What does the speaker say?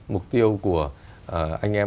mục tiêu của anh em